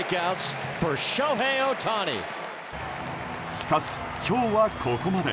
しかし、今日はここまで。